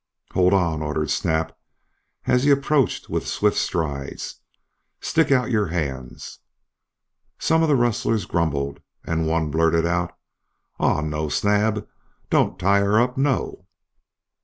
"Hold on!" ordered Snap, as he approached with swift strides. "Stick out your hands!" Some of the rustlers grumbled; and one blurted out: "Aw no, Snap, don't tie her up no!"